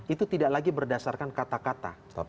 itu tidak lagi berdasarkan kata kata